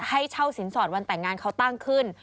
ให้เช่าสินสอดวันแต่งงานเขาตั้งขึ้น